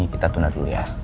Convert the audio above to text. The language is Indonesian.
kita tunda dulu ya